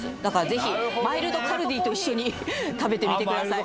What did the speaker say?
ぜひマイルドカルディと一緒に食べてみてくださいああ